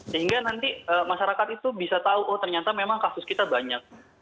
sehingga nanti masyarakat itu bisa tahu oh ternyata memang kasus kita banyak